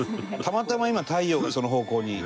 たまたま今太陽がその方向に。